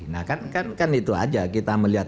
nah kan itu aja kita melihat